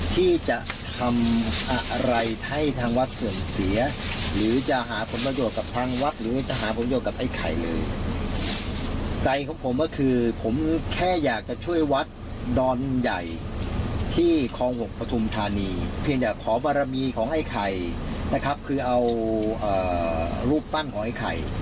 ที่มีถึงรูปปั้นของไอ้ไข่